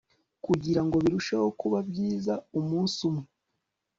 Kugirango birusheho kuba byiza umunsi umwe